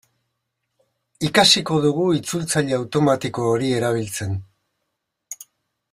Ikasiko dugu itzultzaile automatiko hori erabiltzen.